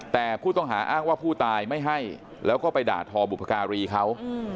แต่ผู้ต้องหาอ้างว่าผู้ตายไม่ให้แล้วก็ไปด่าทอบุพการีเขา